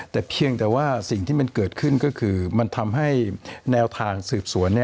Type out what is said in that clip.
แต่เพียงแต่ว่าสิ่งที่มันเกิดขึ้นก็คือมันทำให้แนวทางสืบสวน